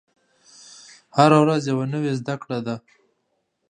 هره ورځ یوه نوې زده کړه ده.